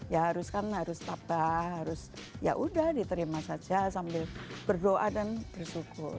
ya harus kan harus tabah harus ya udah diterima saja sambil berdoa dan bersyukur